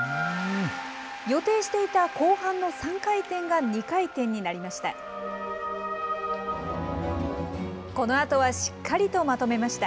予定していた後半の３回転が２回転になりました。